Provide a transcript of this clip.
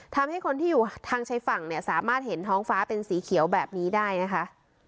ทำให้คนที่อยู่ทางชายฝั่งเนี่ยสามารถเห็นท้องฟ้าเป็นสีเขียวแบบนี้ได้นะคะ